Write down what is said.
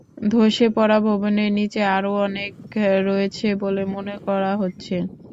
ধসে পড়া ভবনের নিচে আরও অনেকে রয়েছে বলে মনে করা হচ্ছে।